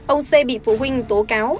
ông c bị phụ huynh tố cáo